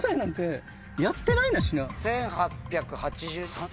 １８８３歳？